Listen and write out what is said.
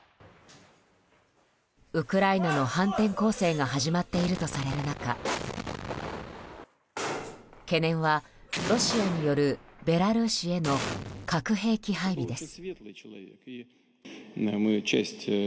ウクライナの反転攻勢が始まっているとされる中懸念はロシアによるベラルーシへの核兵器配備です。